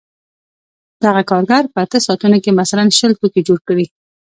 دغه کارګر په اته ساعتونو کې مثلاً شل توکي جوړ کړي